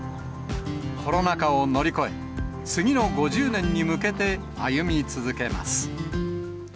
コロナ禍を乗り越え、次の５０年に向けて歩み続けます。